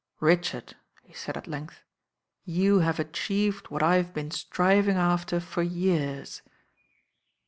"Richard," he said at length, "you have achieved what I've been striving after for years."